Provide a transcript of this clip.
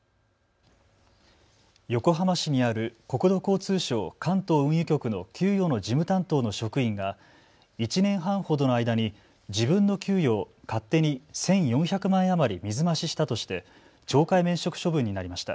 横浜市にある国土交通省関東運輸局の給与の事務担当の職員が１年半ほどの間に自分の給与を勝手に１４００万円余り水増ししたとして懲戒免職処分になりました。